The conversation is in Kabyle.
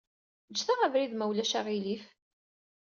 Ǧǧet-aɣ abrid, ma ulac aɣilif.